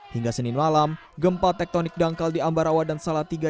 hingga senin malam gempa tektonik dangkal di ambarawa dan salatiga